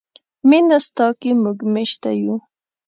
مینه ستا کې موږ میشته یو.